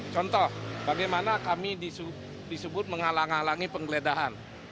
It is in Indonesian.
contoh bagaimana kami disebut menghalang halangi penggeledahan